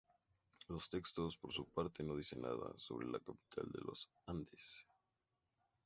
Los textos, por su parte, no dicen nada sobre la capital de los Andes.